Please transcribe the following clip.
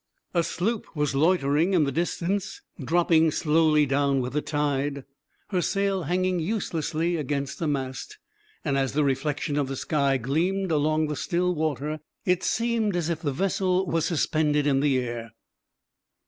A sloop was loitering in the distance, dropping slowly down with the tide, her sail hanging uselessly against the mast; and as the reflection of the sky gleamed along the still water, it seemed as if the vessel was suspended in the air.